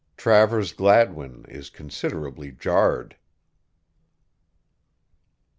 TRAVERS GLADWIN IS CONSIDERABLY JARRED.